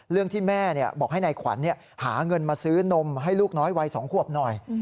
เรื่องที่แม่บอกให้นายขวัญหาเงินมาซื้อนมให้ลูกน้อยวัย๒ขวบหน่อย